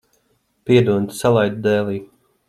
Piedod, salaidu dēlī.